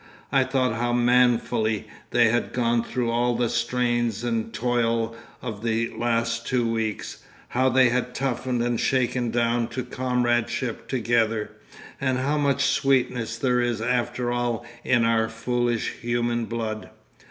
I thought how manfully they had gone through all the strains and toil of the last two weeks, how they had toughened and shaken down to comradeship together, and how much sweetness there is after all in our foolish human blood.